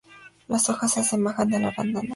Las hojas se asemejan al arándano.